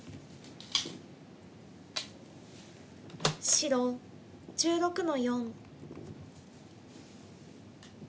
白１６の四。